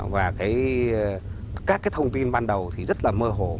và các cái thông tin ban đầu thì rất là mơ hồ